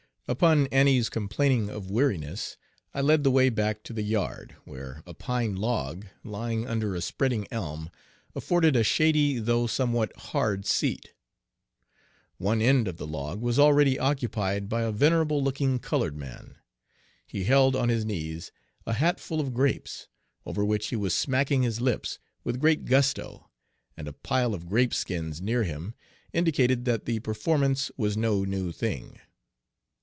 Upon Annie's complaining of weariness I led the way back to the yard, where a pine log, lying under a spreading elm, afforded a shady though somewhat hard seat. One end of the log was already occupied by a venerable looking colored man. He held on his Page 9 knees a hat full of grapes, over which he was smacking his lips with great gusto, and a pile of grapeskins near him indicate that the performance was no new thing.